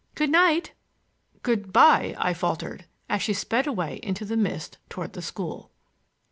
Good night!" "Good by!" I faltered, as she sped away into the mist toward the school.